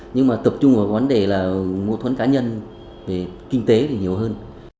nhưng mà tập trung vào vấn đề là mô thuẫn cá nhân về kinh tế thì nhiều hơn